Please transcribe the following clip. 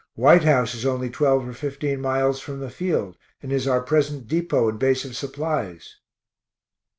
White House is only twelve or fifteen miles from the field, and is our present depot and base of supplies.